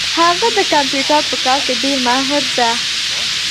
هغه د کمپیوټر په کار کي ډېر ماهر ده